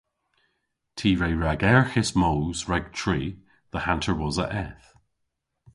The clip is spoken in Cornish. Ty re ragerghis moos rag tri dhe hanter wosa eth.